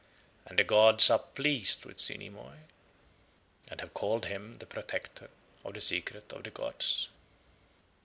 And the gods are pleased with Zyni Moe, and have called him the protector of the Secret of the gods.